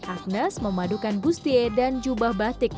agnes memadukan bustie dan jubah batik